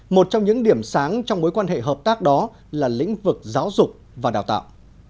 một trong những điểm sáng trong mối quan hệ hợp tác đó là lĩnh vực giáo dục và đào tạo